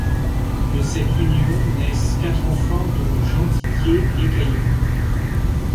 De cette union, naissent quatre enfants dont Jean-Didier Lécaillon.